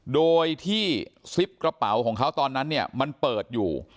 โดยที่ซิปกระเป๋าของเขาตอนนั้นเนี่ยมันเปิดอยู่